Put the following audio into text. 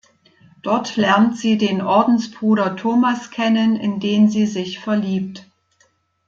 Dort lernt sie den Ordensbruder Thomas kennen, in den sie sich verliebt.